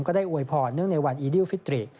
ก็ได้อวยพอด์เนื่องในวันอิดิวฟิตริก